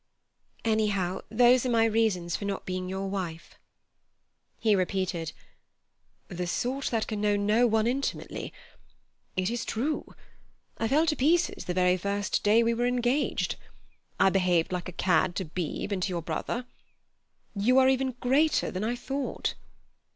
"Anyhow, those are my reasons for not being your wife." He repeated: "'The sort that can know no one intimately.' It is true. I fell to pieces the very first day we were engaged. I behaved like a cad to Beebe and to your brother. You are even greater than I thought."